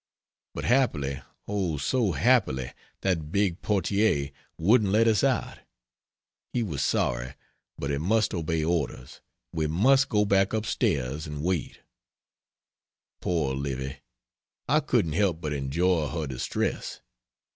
But happily, oh, so happily, that big portier wouldn't let us out he was sorry, but he must obey orders we must go back up stairs and wait. Poor Livy I couldn't help but enjoy her distress.